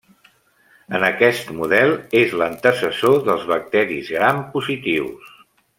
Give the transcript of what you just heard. En aquest model és l'antecessor dels bacteris gram positius.